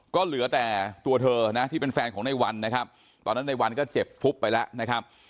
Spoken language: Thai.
ก็เหลือแต่ตัวเธอนะที่เป็นแฟนของในวันนะครับตอนนั้นในวันก็เจ็บฟุบไปแล้วนะครับ